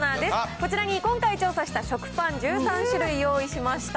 こちらに今回調査した食パン１３種類用意しました。